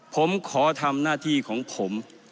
ผมขอทำหน้าที่ของผม